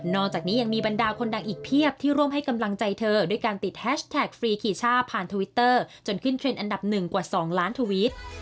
จากนี้ยังมีบรรดาคนดังอีกเพียบที่ร่วมให้กำลังใจเธอด้วยการติดแฮชแท็กฟรีคีช่าผ่านทวิตเตอร์จนขึ้นเทรนด์อันดับหนึ่งกว่า๒ล้านทวิต